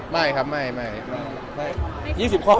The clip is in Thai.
ไม่ครับไม่ไม่๒๐ข้อไม่ดึง